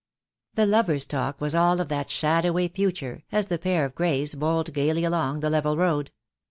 The lovers' talk was all of that shadowy future, as the pair of greys bowled gaily along the level road.